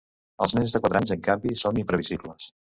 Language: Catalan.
Els nens de quatre anys, en canvi, són imprevisibles.